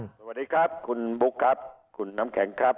สวัสดีครับคุณบุ๊คครับคุณน้ำแข็งครับ